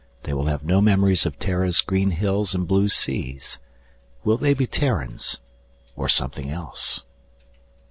They will have no memories of Terra's green hills and blue seas. Will they be Terrans or something else?"